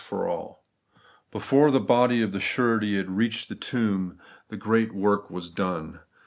for alL Before the body of the surety had reached the tomb, the great work was . done.